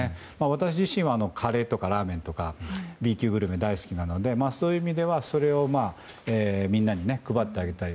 私自身はカレーとかラーメンとかＢ級グルメが大好きなのでそういう意味ではそれをみんなに配ってあげたり。